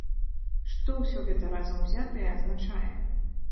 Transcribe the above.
Што ўсё гэта разам узятае азначае?